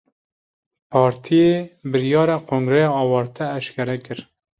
Partiyê, biryara kongreya awarte eşkere kir